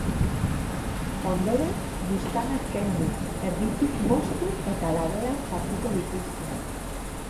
Ondoren buztanak kendu, erditik moztu eta labean sartuko dituzte.